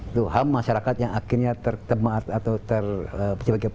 itu ham masyarakat yang akhirnya tertemaat atau terpijak